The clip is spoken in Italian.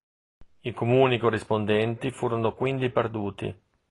I comuni corrispondenti furono quindi perduti.